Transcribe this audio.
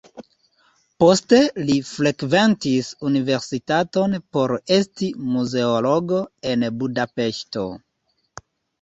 Poste li frekventis universitaton por esti muzeologo en Budapeŝto.